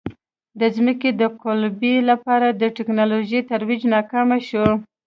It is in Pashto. د ځمکې د قُلبې لپاره د ټکنالوژۍ ترویج ناکام شو.